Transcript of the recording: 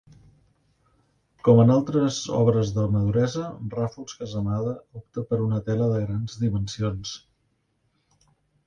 Com en altres obres de maduresa, Ràfols-Casamada opta per una tela de grans dimensions.